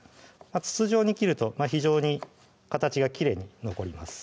筒状に切ると非常に形がきれいに残ります